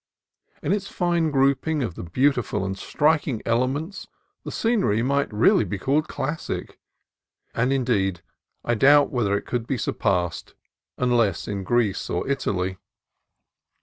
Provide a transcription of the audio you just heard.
In its fine grouping of the beautiful and striking elements the scenery might really be called classic; and, indeed, I doubt whether it could be surpassed, unless in Greece or Italy.